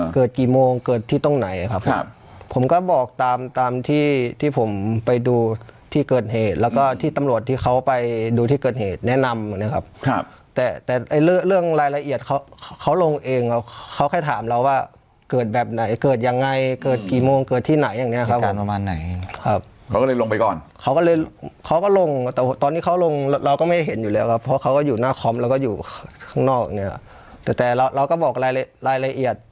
เกิดกี่โมงเกิดที่ต้องไหนครับครับผมก็บอกตามตามที่ที่ผมไปดูที่เกิดเหตุแล้วก็ที่ตำรวจที่เขาไปดูที่เกิดเหตุแนะนำนะครับครับแต่แต่เรื่องรายละเอียดเขาเขาลงเองครับเขาแค่ถามเราว่าเกิดแบบไหนเกิดยังไงเกิดกี่โมงเกิดที่ไหนอย่างเนี้ยครับประมาณไหนครับเขาก็เลยลงไปก่อนเขาก็เลยเขาก็ลงแต่ตอนที่เขาลงเราก็ไม่เห็น